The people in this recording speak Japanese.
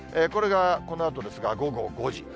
これがこのあとですが、午後５時。